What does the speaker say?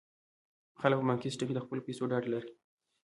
خلک په بانکي سیستم کې د خپلو پیسو ډاډ لري.